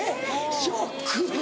ショック。